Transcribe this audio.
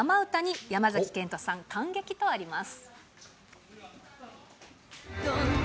生歌に山崎賢人さん感激とあります。